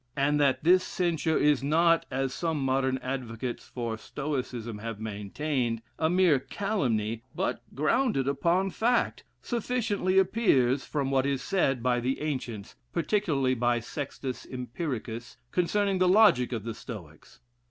And that this censure, is not, as some modern advocates for Stoicism have maintained, a mere calumny, but grounded upon fact, sufficiently appears from what is said by the ancients, particularly by Sextus Empiricus, concerning the logic of the Stoics.